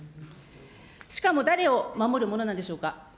しかも誰を守るものなんでしょうか。